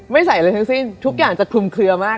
ใส่อะไรทั้งสิ้นทุกอย่างจะคลุมเคลือมาก